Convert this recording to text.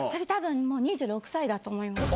もう２６歳だと思います。